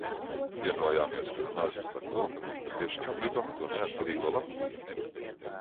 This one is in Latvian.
Vienojāmies, ka runāsim par to, ka mēs patiešām gribam to neatkarīgo Latviju.